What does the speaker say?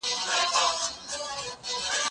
کېدای سي زه منډه ووهم!.